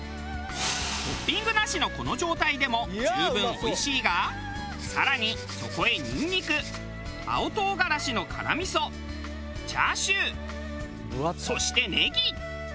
トッピングなしのこの状態でも十分おいしいが更にそこへニンニク青トウガラシの辛味噌チャーシューそしてネギ。